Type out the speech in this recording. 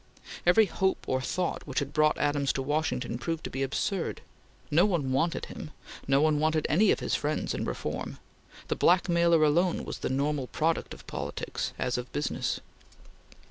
Every hope or thought which had brought Adams to Washington proved to be absurd. No one wanted him; no one wanted any of his friends in reform; the blackmailer alone was the normal product of politics as of business.